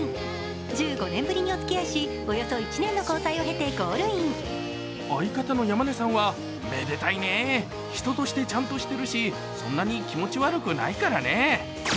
１５年ぶりにおつきあいしおよそ１年の交際をへてゴールイン相方の山根さんはめでたいね人としてちゃんとしているし、そんなに気持ち悪くないからね。